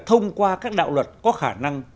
thông qua các đạo luật có khả năng